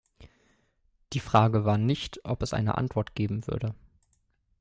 Die Frage war nicht, ob es eine Antwort geben würde.